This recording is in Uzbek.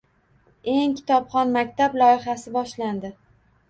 “Eng kitobxon maktab” loyihasi boshlandi